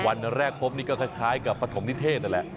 วันแรกพบนี่ก็คล้ายกับปฐมนิเทศนั่นแหละ